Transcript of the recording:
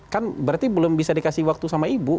kan berarti belum bisa dikasih waktu sama ibu